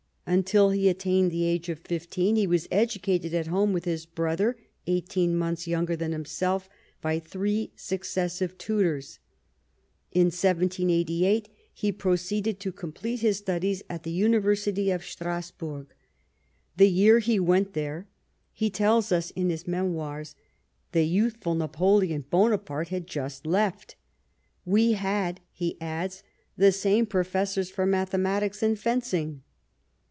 Until he attained the age of fifteen he was educated at home with, his brother, eighteen months younger than himself, by three successive tutors. In 1788 he proceeded to complete his studies at the University of Strasburg. The year he went there, he tells us in his memoirs, the youthful Napoleon Bonaparte had just left. " Wc had," he adds, " the same professors for mathematics and fencing."